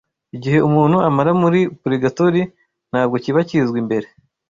Igihe umuntu amara muri Purigatori ntabwo kiba kizwi mbere